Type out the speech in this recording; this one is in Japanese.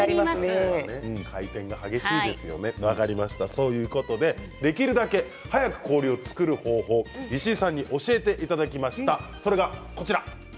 回転が激しいですよねということでできるだけ早く氷を作る方法を石井さんに教えていただきました。